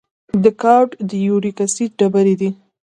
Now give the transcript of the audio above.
د ګاؤټ د یوریک اسید ډبرې دي.